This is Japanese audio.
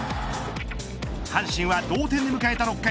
阪神は同点で迎えた６回。